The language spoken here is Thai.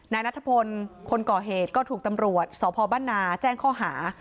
นายนัทพลคนก่อเหตุก็ถูกตำรวจสพบ้านนาแจ้งข้อหา